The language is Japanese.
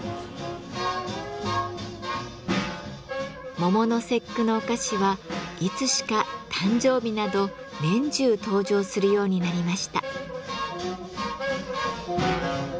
桃の節句のお菓子はいつしか誕生日など年中登場するようになりました。